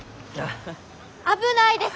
危ないです！